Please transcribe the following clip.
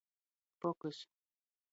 Pokys.